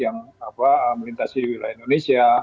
amelintasi wilayah indonesia